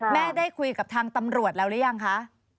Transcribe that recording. ได้คุยกับทางตำรวจแล้วหรือยังคะ